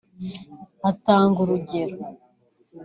Atanga urugero